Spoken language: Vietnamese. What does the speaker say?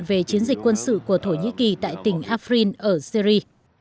về chiến dịch quân sự của thổ nhĩ kỳ tại tỉnh afrin ở syri